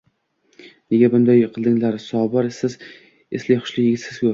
Nega bunday qildinglar, Sobir, siz es-hushli yigitsiz-ku